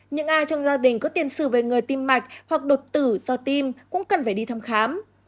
những ai trong gia đình có tiền sử về người tim mạch hoặc đột tử do tim cũng cần phải đi thăm khám